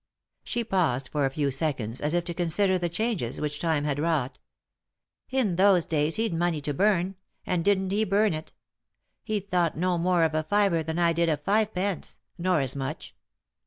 She paused for a few seconds, as if to consider the changes which time had wrought. " In those days he'd money to bum, and didn't he burn it I He thought no more of a fiver than I did of fivepence ; nor as much.